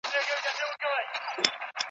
ګدایان ورته راتلل له هره ځایه ,